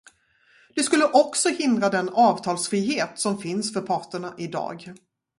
Det skulle också hindra den avtalsfrihet som finns för parterna i dag.